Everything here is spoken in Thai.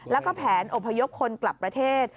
แล้วก็แผนอพยพคนกลับประเทศ